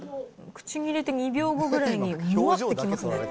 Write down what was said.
口に入れて２秒後ぐらいにもわっと来ますね。